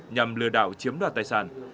nhằm lừa đảo chiếm đoạt tài sản